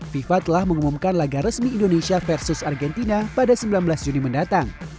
fifa telah mengumumkan laga resmi indonesia versus argentina pada sembilan belas juni mendatang